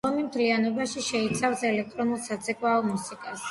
ალბომი მთლიანობაში შეიცავს ელექტრონულ საცეკვაო მუსიკას.